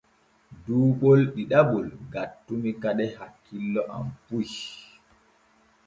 Duu ɓol ɗiɗaɓol gattumi kade hakkilo am puy.